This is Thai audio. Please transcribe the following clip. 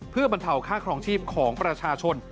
เพื่อบรรเทาค่าครองชีพของประชาชน